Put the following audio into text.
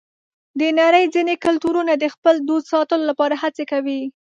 د نړۍ ځینې کلتورونه د خپل دود ساتلو لپاره هڅه کوي.